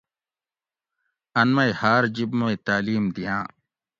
ان مئ ہاۤر جِب مئ تعلیم دِیاۤں۔